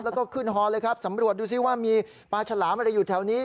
แล้วก็ขึ้นฮอเลยครับสำรวจดูซิว่ามีปลาฉลามอะไรอยู่แถวนี้